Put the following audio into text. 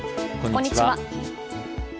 こんにちは。